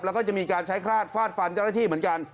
แล้วก็จะมีการใช้คราดฟาดฟันเจ้าหน้าที่เหมือนกัน